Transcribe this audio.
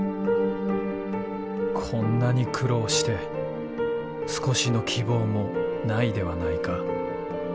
「こんなに苦労して少しの希望もないではないか」。